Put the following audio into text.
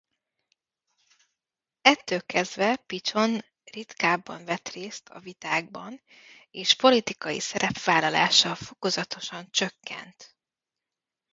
Ettől kezdve Pichon ritkábban vett részt a vitákban és politikai szerepvállalása fokozatosan csökkent.